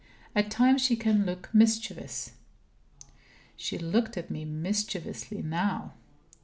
At times, she can look mischievous. She looked at me mischievously now.